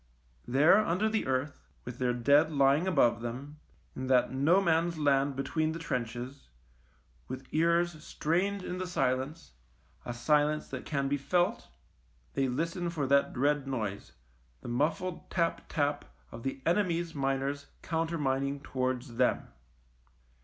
There under the earth, with their dead lying above them, in that 96 THE MINE No Man's Land between the trenches, with ears strained in the silence, a silence that can be felt, they listen for that dread noise, the muffled tap tap of the enemy's miners counter mining towards them.